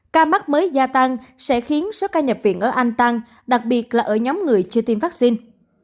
ca mắc mới gia tăng sẽ khiến số ca nhập viện ở anh tăng đặc biệt là ở nhóm người chưa tiêm vaccine